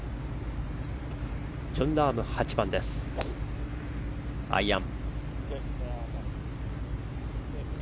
ジョン・ラーム８番です、アイアン。